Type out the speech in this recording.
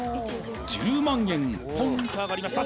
１０万円ポンと上がりました